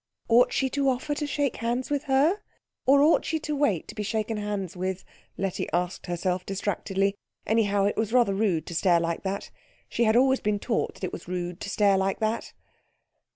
Ought she to offer to shake hands with her, or ought she to wait to be shaken hands with, Letty asked herself distractedly. Anyhow it was rather rude to stare like that. She had always been taught that it was rude to stare like that.